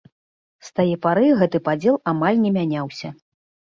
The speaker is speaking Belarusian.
З тае пары гэты падзел амаль не мяняўся.